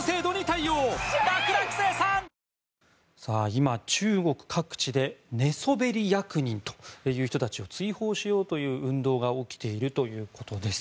今、中国各地で寝そべり役人という人たちを追放しようという運動が起きているということです。